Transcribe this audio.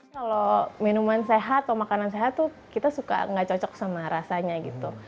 kalau minuman sehat atau makanan sehat tuh kita suka nggak cocok sama rasanya gitu